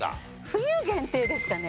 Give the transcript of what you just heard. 冬限定ですかね。